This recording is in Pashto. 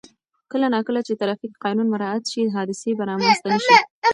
کله نا کله چې ترافیک قانون مراعت شي، حادثې به رامنځته نه شي.